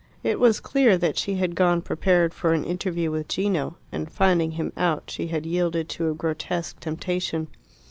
It was clear that she had gone prepared for an interview with Gino, and finding him out, she had yielded to a grotesque temptation.